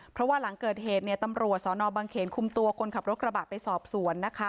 เพราะว่าหลังเกิดเหตุตำรวจสนบังเขนคุมตัวคนขับรถกระบะไปสอบสวนนะคะ